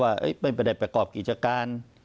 ว่าไม่มีประกอบกิจการ